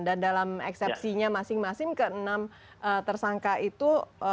dan dalam eksepsinya masing masing ke enam tersangka itu